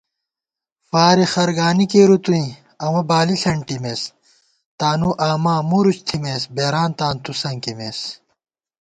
فارےخرگانی کېرُو توئیں امہ بالی ݪَنٹِمېس * تانُوآما مُرُچ تھِمېس بېرانتاں تُوسنکِمېس